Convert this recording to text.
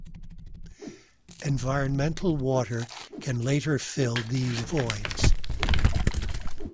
Environmental water can later fill these voids.